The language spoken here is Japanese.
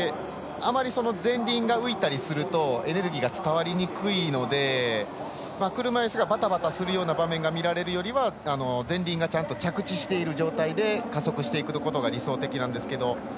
あまり前輪が浮いたりするとエネルギーが伝わりにくいので車いすがバタバタするような場面が見られるよりは前輪がちゃんと着地している状態で加速していくことが理想的なんですけど。